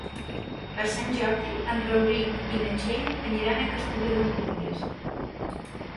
Per Sant Jordi en Rauric i na Txell aniran a Castelló d'Empúries.